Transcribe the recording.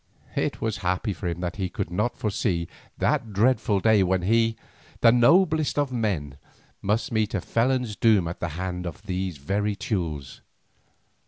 It was happy for him that he could not foresee that dreadful day when he, the noblest of men, must meet a felon's doom at the hand of these very Teules.